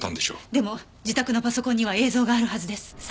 でも自宅のパソコンには映像があるはずです。